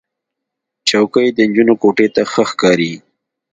چوکۍ د نجونو کوټې ته ښه ښکاري.